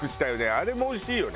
あれもおいしいよね。